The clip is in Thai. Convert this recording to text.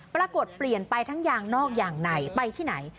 ปรากฏเปลี่ยนไปทั้งยางนอกอย่างไหนไปที่ไหน